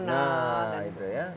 nah itu ya